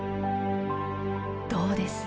どうです？